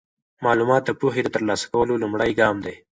معلومات د پوهې د ترلاسه کولو لومړی ګام دی.